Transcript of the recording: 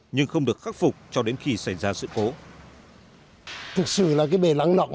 nhưng không được khắc phục cho đến khi xảy ra sự cố